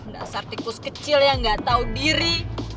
dasar tikus kecil yang gak tau diri